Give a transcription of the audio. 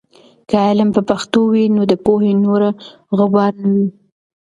که علم په پښتو وي، نو د پوهې نوره غبار نه وي.